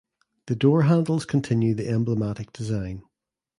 The door handles continue the emblematic design.